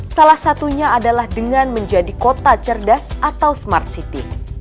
salah satunya adalah dengan menjadi kota cerdas atau smart city